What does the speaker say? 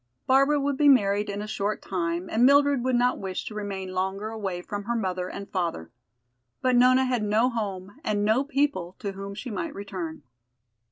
Barbara would be married in a short time and Mildred would not wish to remain longer away from her mother and father. But Nona had no home and no people to whom she might return.